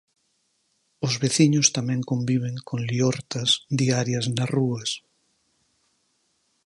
Os veciños tamén conviven con liortas diarias nas rúas.